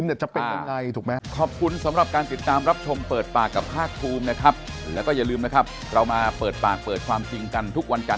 เขาจินตนาการภายนอกประชาชุมเขาจินตนาการนะว่า